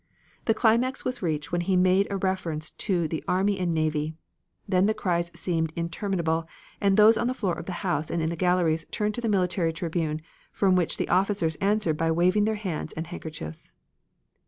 The climax was reached when he made a reference to the army and navy. Then the cries seemed interminable, and those on the floor of the House and in the galleries turned to the military tribune from which the officers answered by waving their hands and handkerchiefs.